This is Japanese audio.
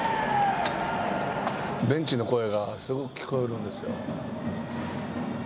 ベンチの声がすごく聞こえるんですよ。